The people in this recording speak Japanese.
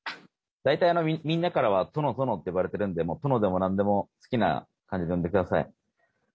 大体みんなからはトノトノって呼ばれてるんでトノでも何でも好きな感じで呼んで下さい。